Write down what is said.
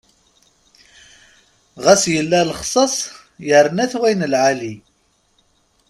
Ɣas yella lixsas yerna-t wayen n lɛali.